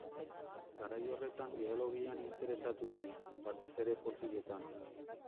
Garai horretan geologian interesatu zen, batez ere fosiletan.